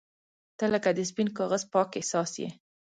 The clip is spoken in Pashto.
• ته لکه د سپین کاغذ پاک احساس یې.